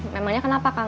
memangnya kenapa kang